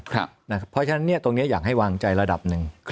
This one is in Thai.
เพราะฉะนั้นตรงนี้อยากให้วางใจระดับหนึ่ง